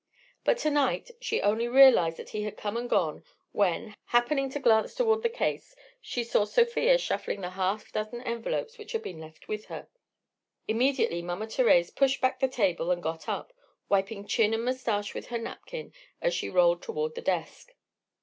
But to night she only realized that he had come and gone when, happening to glance toward the caisse, she saw Sofia shuffling the half dozen envelopes which had been left with her. Immediately Mama Thérèse pushed back the table and got up, wiping chin and moustache with her napkin as she rolled toward the desk.